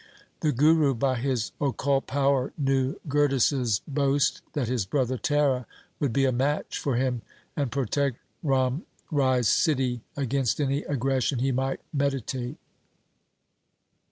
The Guru by his occult power knew Gurdas's boast that his brother Tara would be a match for him and protect Ram Rai's city against any aggres sion he might meditate.